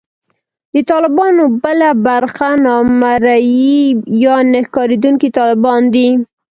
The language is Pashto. د طالبانو بله برخه نامرئي یا نه ښکارېدونکي طالبان دي